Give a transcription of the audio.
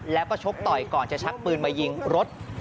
แล้วก็ชกต่อยก่อนจะชักปืนมายิงรถ